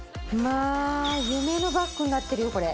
夢のバッグになってるよこれ。